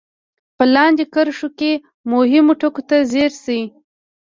په لاندې کرښو کې مهمو ټکو ته ځير شئ.